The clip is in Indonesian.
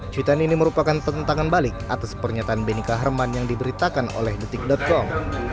cuitan ini merupakan pertentangan balik atas pernyataan benika herman yang diberitakan oleh detik com